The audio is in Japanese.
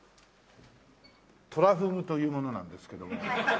トラフグという者なんですけども。